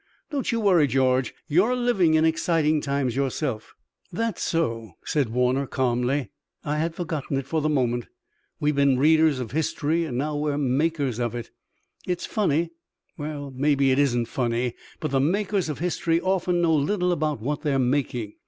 Don't you worry, George. You're living in exciting times yourself." "That's so," said Warner calmly. "I had forgotten it for the moment. We've been readers of history and now we're makers of it. It's funny and maybe it isn't funny but the makers of history often know little about what they're making.